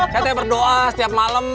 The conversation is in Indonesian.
saya berdoa setiap malam